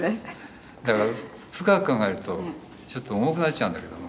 だから深く考えるとちょっと重くなっちゃうんだけども。